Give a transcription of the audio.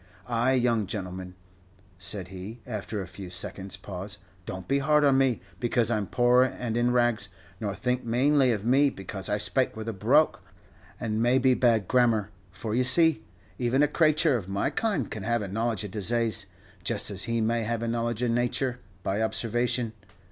Ah! young gentleman," said he, after a few seconds' pause, "don't be hard on me, because I 'm poor and in rags, nor think manely of me because I spake with a brogue, and maybe bad grammar, for, you see, even a crayture of my kind can have a knowledge of disaze, just as he may have a knowledge of nature, by observation.